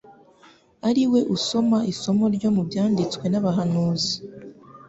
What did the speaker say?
ari we usoma isomo ryo mu byanditswe n'abahanuzi,